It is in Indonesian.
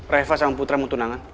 reva sama putra mau tunangan